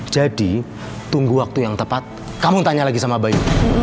jadi tunggu waktu yang tepat kamu tanya lagi sama bayu